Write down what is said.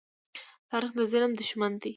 تاریخ د ظلم دښمن دی.